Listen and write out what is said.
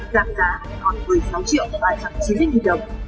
giảm giá còn một mươi sáu triệu và chẳng chín đến nghìn đồng